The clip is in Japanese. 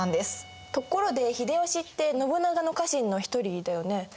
ところで秀吉って信長の家臣の一人だよね？